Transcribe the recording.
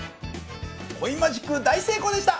コインマジック大成功でした。